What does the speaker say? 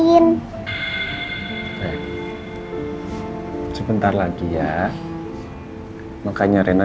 incis kan selalu ada buat rena